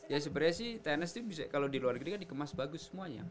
ya sebenarnya sih tennis kalau di luar negara dikemas bagus semuanya